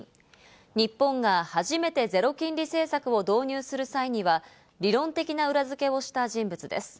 日本が初めてゼロ金利政策を導入する際には、理論的な裏付けをした人物です。